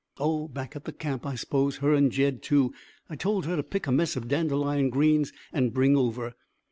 "Oh, back at the camp, I s'pose her and Jed, too. I told her to pick a mess of dandelion greens and bring over.